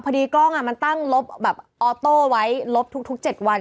กล้องมันตั้งลบแบบออโต้ไว้ลบทุก๗วัน